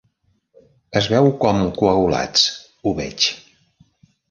Es veu com Coagulats, ho veig.